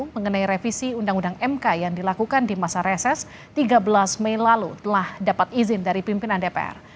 mengenai revisi undang undang mk yang dilakukan di masa reses tiga belas mei lalu telah dapat izin dari pimpinan dpr